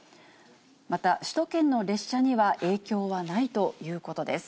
また、首都圏の列車には影響はないということです。